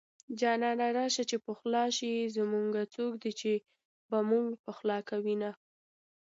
جانانه راشه چې پخلا شو زمونږه څوک دي چې به مونږ پخلا کوينه